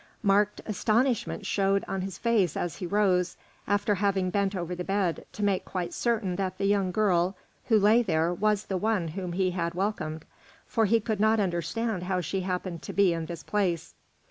Marked astonishment showed in his face as he rose, after having bent over the bed to make quite certain that the young girl who lay there was the one whom he had welcomed, for he could not understand how she happened to be in this place.